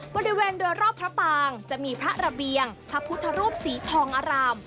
บริเวณโดยรอบพระปางจะมีพระระเบียงพระพุทธรูปสีทองอาราม